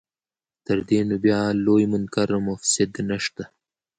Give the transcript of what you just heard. تر دې نو بیا لوی منکر او مفسد نشته.